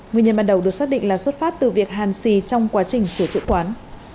nguyên nhân ban đầu được xác định là xuất phát từ việc hàn xì trong quá trình sửa chữa quán